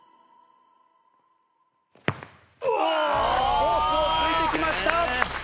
うわあ！コースを突いてきました。